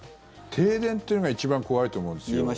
停電っていうのが一番怖いと思うんですよ。